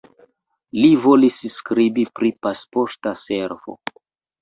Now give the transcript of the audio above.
Li volis skribi pri Pasporta Servo.